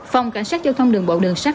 phòng cảnh sát giao thông đường bộ đường sát